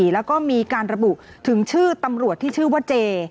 แล้วก็มีการระบุถึงชื่อตำรวจที่ชื่อว่าเจ